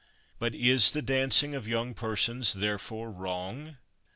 But is the dancing of young persons therefore wrong?